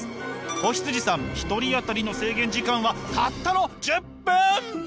子羊さん１人当たりの制限時間はたったの１０分！